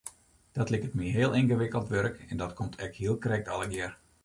Dat liket my heel yngewikkeld wurk en dat komt ek hiel krekt allegear.